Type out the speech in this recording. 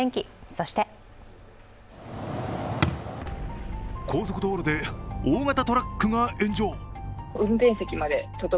そして高速道路で大型トラックが炎上。